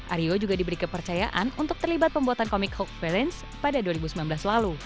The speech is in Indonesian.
aryo juga diberi kepercayaan untuk terlibat pembuatan comic hoax parence pada dua ribu sembilan belas lalu